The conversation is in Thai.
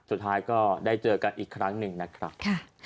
สุดท้ายก็ได้เจอกันอีกครั้งหนึ่งนะครับ